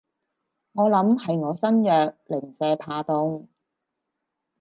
我諗係我身弱，零舍怕凍